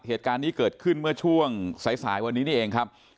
เหตุการณ์นี้เกิดขึ้นเมื่อช่วงสายวันนี้นี่เองครับ